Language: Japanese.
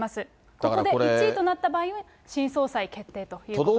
ここで１位となった場合、新総裁決定ということですね。